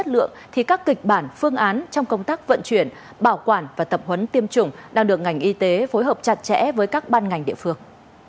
thì các kịch bản phương án trong công tác vận chuyển bảo quản và tập huấn tiêm chủng đang được ngành y tế phối hợp chặt chẽ với các ban ngành địa phương